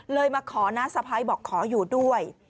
มาขอน้าสะพ้ายบอกขออยู่ด้วย